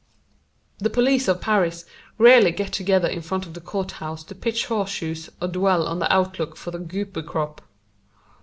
The police of Paris rarely get together in front of the court house to pitch horseshoes or dwell on the outlook for the goober crop.